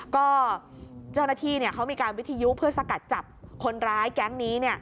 ก็เจ้าหน้าที่เขามีการวิทยุเพื่อสกัดจับคนร้ายแก๊งนี้